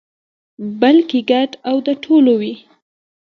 بلکې ګډ او د ټولو وي.